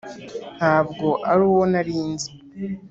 ntabwo ari uwo nari nzi